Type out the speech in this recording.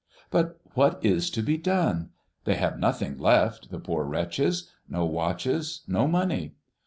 But what is to be done? They have nothing left, the poor wretches, no watches, no money.